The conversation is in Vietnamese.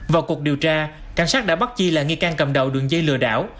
vào cuộc điều tra cảnh sát đã bắt chi là nghi can cầm đầu đường dây lừa đảo